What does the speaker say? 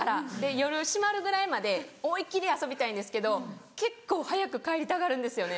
夜閉まるぐらいまで思いっ切り遊びたいんですけど結構早く帰りたがるんですよね。